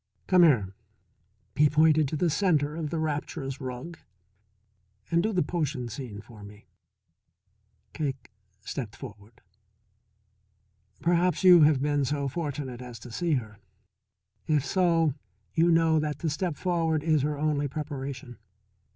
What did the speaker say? "Come here" he pointed to the centre of the rapturous rug "and do the potion scene for me." Cake stepped forward. Perhaps you have been so fortunate as to see her. If so you know that to step forward is her only preparation.